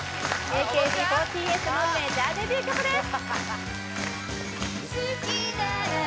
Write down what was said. ＡＫＢ４８のメジャーデビュー曲です